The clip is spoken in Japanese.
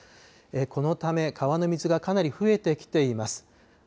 このため、川の水がかなり増えてきています。